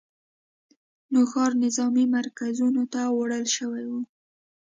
نوښار نظامي مرکزونو ته وړل شوي دي